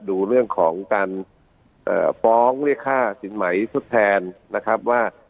ดูเรื่องของการฟ้องเรียกค่าสินไหมทดแทนนะครับว่า